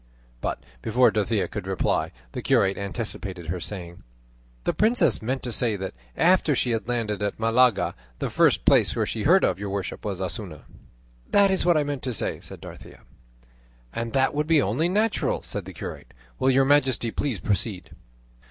But before Dorothea could reply the curate anticipated her, saying, "The princess meant to say that after she had landed at Malaga the first place where she heard of your worship was Osuna." "That is what I meant to say," said Dorothea. "And that would be only natural," said the curate. "Will your majesty please proceed?"